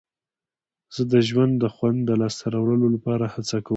زه د ژوند د خوند د لاسته راوړلو لپاره هڅه کوم.